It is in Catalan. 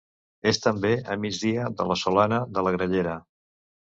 És també a migdia de la Solana de la Grallera.